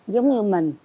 giống như mình